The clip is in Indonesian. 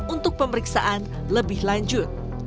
untuk pemeriksaan lebih lanjut